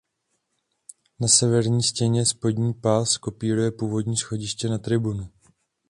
Na severní stěně spodní pás kopíruje původní schodiště na tribunu.